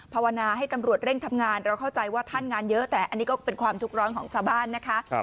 ภาวนาให้ตำรวจเร่งทำงานเราเข้าใจว่าท่านงานเยอะแต่อันนี้ก็เป็นความทุกข์ร้อนของชาวบ้านนะคะ